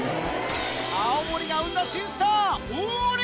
青森が生んだ新スター、王林。